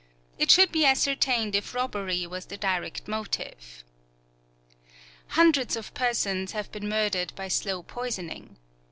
It should be ascertained if robbery was the direct motive. Hundreds of persons have been murdered by slow poisoning.